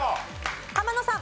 浜野さん。